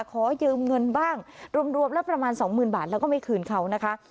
ขอยืมเงินบ้างรวมแล้วประมาณสองหมื่นบาทแล้วก็ไม่คืนเขานะคะ